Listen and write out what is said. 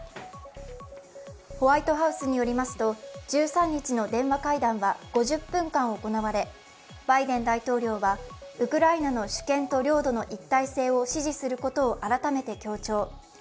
ホワイトハウスによりますと、１３日の電話会談は５０分間行われ、バイデン大統領はウクライナの主権と領土の一体性を支持することを改めて強調。